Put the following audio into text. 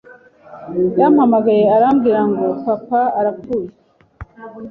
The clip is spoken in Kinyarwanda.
yampamagaye arambwira ngo papa arapfuye